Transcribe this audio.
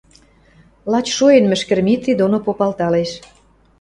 Лач шоэн Мӹшкӹр Митри доно попалталеш.